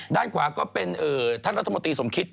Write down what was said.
ด้านขวาก็เป็นท่านรัฐมนตรีสมคิต